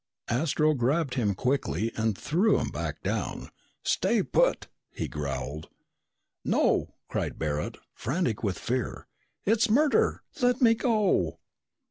Astro grabbed him quickly and threw him back down. "Stay put," he growled. "No," cried Barret, frantic with fear. "It's murder! Let me go!"